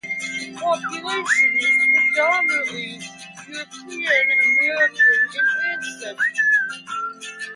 The population is predominately European American in ancestry.